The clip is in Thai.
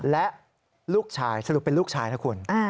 และลูกชายสรุปเป็นลูกชายนะคุณ